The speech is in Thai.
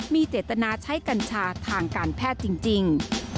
มีเจตนาใช้กัญชาทางการแพทย์จริง